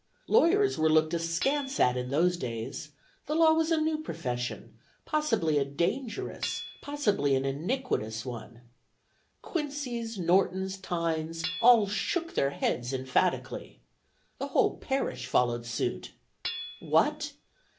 Lawyers were looked askance at in those days; the law was a new profession, probably a dangerous, possibly an iniquitous one. Quincys, Nortons, Tynes, all shook their heads emphatically. The whole parish followed suit. What!